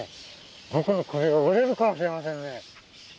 僕もこれ首が折れるかもしれませんね。